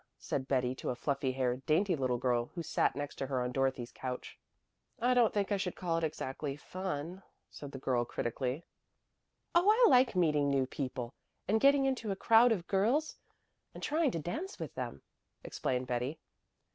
said Betty to a fluffy haired, dainty little girl who sat next her on Dorothy's couch. "I don't think I should call it exactly fun," said the girl critically. "Oh, I like meeting new people, and getting into a crowd of girls, and trying to dance with them," explained Betty.